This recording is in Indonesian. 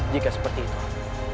jika seperti itu